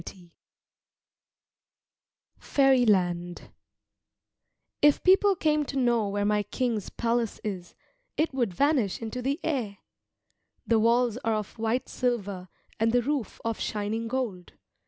jpg] FAIRYLAND If people came to know where my king's palace is, it would vanish into the air. The walls are of white silver and the roof of shining gold.